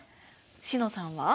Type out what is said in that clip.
詩乃さんは？